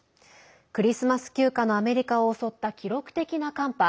クリスマス休暇のアメリカを襲った記録的な寒波。